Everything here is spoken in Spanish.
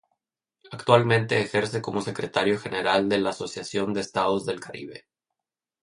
Actualmente ejerce como Secretario General de la Asociación de Estados del Caribe.